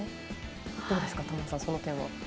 どうですか、田村さんその点は。